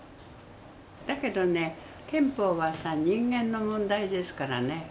だけどね憲法はさ人間の問題ですからね